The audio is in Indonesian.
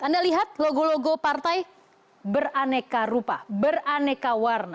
anda lihat logo logo partai beraneka rupa beraneka warna